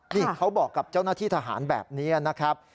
นี่เขาบอกกับเจ้าหน้าที่ทหารแบบนี้นะครับ